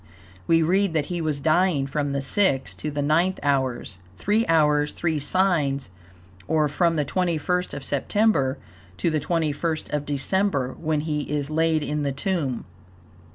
We read that he was dying from the sixth to the ninth hours three hours, three signs, or from the 21st of September to the 21st of December, when he is laid in the tomb.